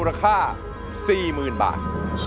ราคา๔๐๐๐บาท